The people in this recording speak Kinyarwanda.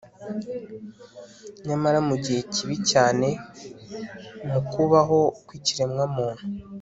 Nyamara mu gihe kibi cyane mu kubaho kwikiremwamuntu